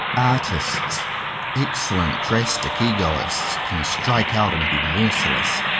Artists, excellent drastic egoists, can strike out and be merciless.